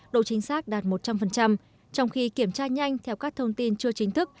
độ chính xác đạt một trăm linh trong khi kiểm tra nhanh theo các thông tin chưa chính thức